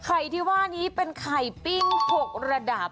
ที่ว่านี้เป็นไข่ปิ้ง๖ระดับ